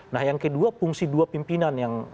nah yang kedua fungsi dua pimpinan yang